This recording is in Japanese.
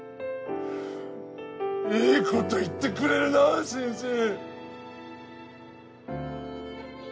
いいこと言ってくれるなあ先生。